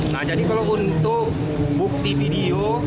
nah jadi kalau untuk bukti video